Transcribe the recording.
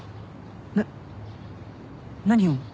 なっ何を？